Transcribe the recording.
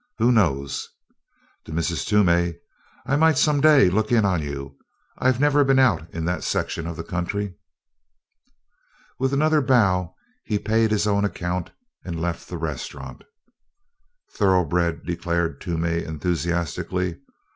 "Who knows?" to Mrs. Toomey, "I might some day look in on you I've never been out in that section of the country." With another bow he paid his own account and left the restaurant. "Thoroughbred!" declared Toomey enthusiastically.